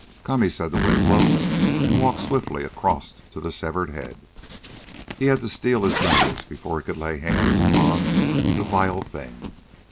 "Come!" he said to Winslow, and walked swiftly across to the severed head. He had to steel his nerves before he could lay hands upon the vile thing.